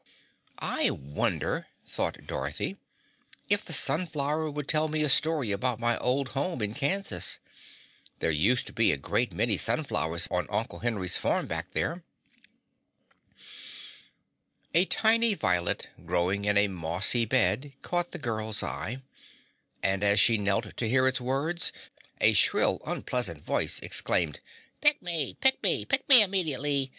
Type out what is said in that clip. "I wonder," thought Dorothy, "if the sunflower would tell me a story about my old home in Kansas. There used to be a great many sunflowers on Uncle Henry's farm back there." A tiny violet growing in a mossy bed caught the girl's eye, and as she knelt to hear its words, a shrill, unpleasant voice exclaimed, "Pick me! Pick me! Pick me immediately!